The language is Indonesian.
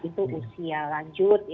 itu usia lanjut